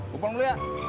gua pulang dulu ya